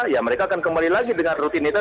ya mereka akan kembali lagi dengan rutinitas